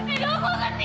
serah lo mau ngapa